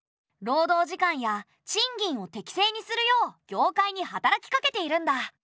労働時間や賃金を適正にするよう業界に働きかけているんだ。